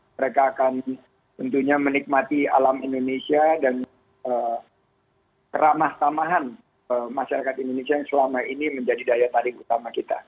mereka akan tentunya menikmati alam indonesia dan keramah tamahan masyarakat indonesia yang selama ini menjadi daya tarik utama kita